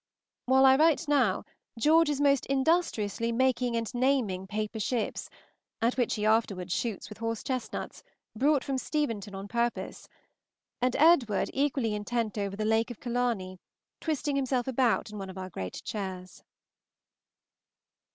While I write now, George is most industriously making and naming paper ships, at which he afterwards shoots with horse chestnuts, brought from Steventon on purpose; and Edward equally intent over the "Lake of Killarney," twisting himself about in one of our great chairs.